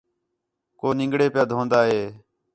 کُو نِنگڑے پِیا دھون٘دا ہے